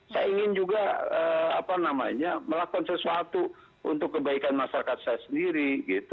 saya ingin juga melakukan sesuatu untuk kebaikan masyarakat saya sendiri